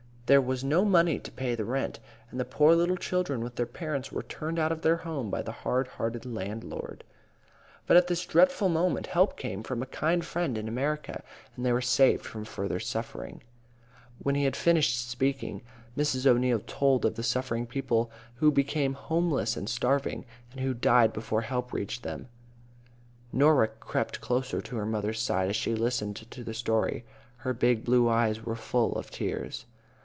There was no money to pay the rent, and the poor little children with their parents were turned out of their home by the hard hearted landlord. "But at this dreadful moment, help came from a kind friend in America, and they were saved from further suffering." When he had finished speaking, Mrs. O'Neil told of the suffering people who became homeless and starving, and who died before help reached them. Norah crept close to her mother's side as she listened to the story. Her big blue eyes were full of tears.